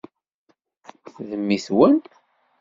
D mmi-twen?